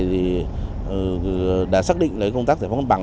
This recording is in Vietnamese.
đã xác định công tác giải phóng mặt bằng